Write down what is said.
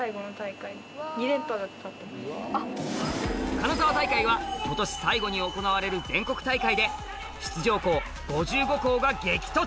金沢大会は今年最後に行われる全国大会で出場校５５校が激突